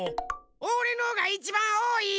おれのがいちばんおおい！